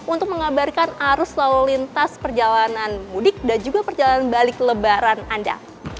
untuk mengabarkan arus lalu lintas perjalanan mudik dan juga perjalanan balik lebaran anda